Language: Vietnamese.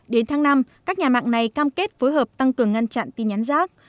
đến tháng năm các nhà mạng này cam kết phối hợp tăng cường ngăn chặn tin nhắn rác